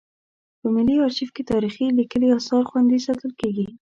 په ملي ارشیف کې تاریخي لیکلي اثار خوندي ساتل کیږي.